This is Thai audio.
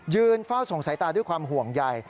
ยืนเฝ้าสงสัยตาด้วยความห่วงใหญ่